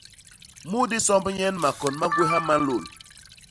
Mu disomb nyen makon ma gwéha ma nlôl.